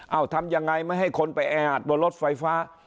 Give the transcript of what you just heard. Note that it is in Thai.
เอาทำยังไงไม่ให้คนไปแออัดบนรถไฟฟ้า